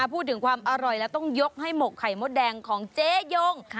พูดถึงความอร่อยแล้วต้องยกให้หมกไข่มดแดงของเจ๊ยง